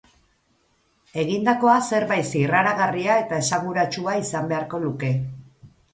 Egindakoa zerbait zirraragarria eta esanguratsua izan beharko luke.